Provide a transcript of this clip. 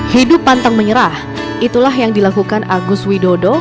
hidup pantang menyerah itulah yang dilakukan agus widodo